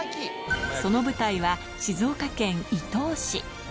その舞台は、静岡県伊東市。